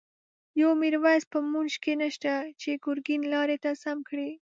یو«میرویس» په مونږ کی نشته، چه گرگین لاری ته سم کړی